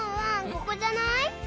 ここじゃない？